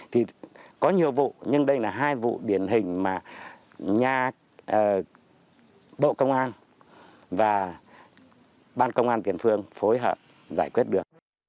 thì có nhiều vụ nhưng đây là hai vụ điển hình mà nhà bộ công an và ban công an tiền phương phối hợp giải quyết được